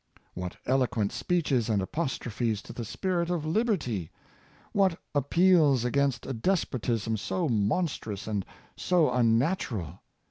What eloquent speeches and apostrophes to the spirit of liberty! — what appeals against a despotism so mon strous and so unnatural